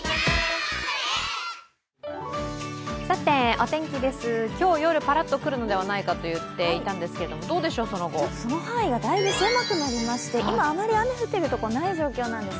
お天気です、今日夜ぱらっとくるのではないかと言っていたんですが、その範囲はだいぶ狭くなりまして、今、あまり雨が降っている所がない状況なんです。